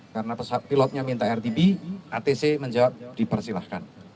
karena pilotnya minta rtb atc menjawab dipersilahkan